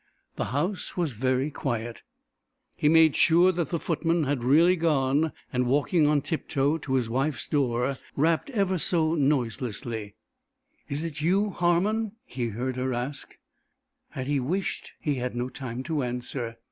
The house was very quiet. He made sure that the footmen had really gone, and walking on tip toe to his wife's door, rapped ever so noiselessly. "Is it you, Harmon?" he heard her ask. Had he wished he had no time to answer.